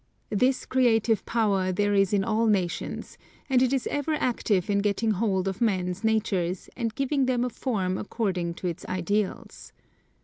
This creative power there is in all nations, and it is ever active in getting hold of men's natures and giving them a form according to its ideals.